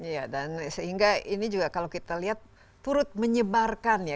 iya dan sehingga ini juga kalau kita lihat turut menyebarkan ya